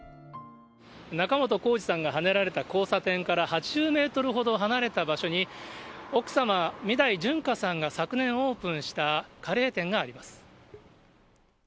仲本工事さんがはねられた交差点から８０メートルほど離れた場所に、奥様、三代純歌さんが昨年オープンしたカレー店があります。